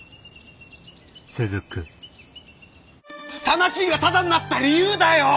店賃がただになった理由だよ！